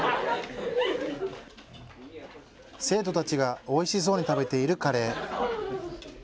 生徒たちがおいしそうに食べているカレー。